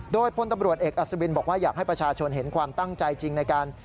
โดยพลตำรวจเอกอัศวินบอกว่าอยากให้ประชาชนเห็นความตั้งใจจริงในการ